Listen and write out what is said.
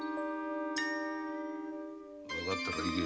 わかったら行け。